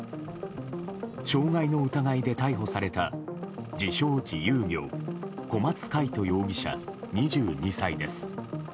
傷害の疑いで逮捕された自称・自由業小松魁人容疑者２２歳です。